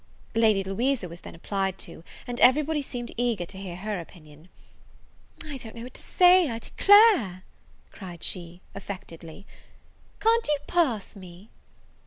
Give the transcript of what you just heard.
Lady Louisa was then applied to; and every body seemed eager to hear her opinion. "I don't know what to say, I declare," cried she, affectedly; "can't you pass me?"